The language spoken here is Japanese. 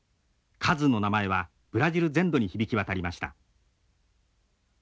カズの名前はブラジル全土に響き渡りました。